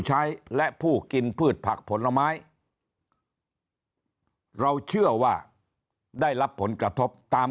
ใช้และผู้กินพืชผักผลไม้เราเชื่อว่าได้รับผลกระทบตาม